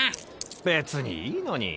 別にいいのに。